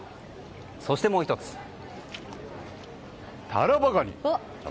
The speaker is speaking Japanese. そしてもう１つ、タラバガニ。